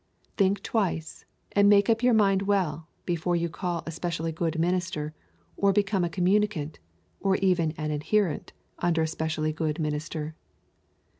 Think twice, and make up your mind well, before you call a specially good minister, or become a communicant, or even an adherent under a specially good minister.